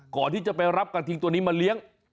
ก่อนที่จะไปรับกระทิงตัวนี้มาเลี้ยง